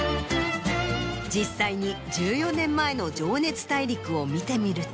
実際に１４年前の『情熱大陸』を見てみると。